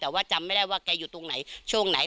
แต่ว่าจำไม่ได้ว่าแกอยู่ตรงไหนช่วงไหน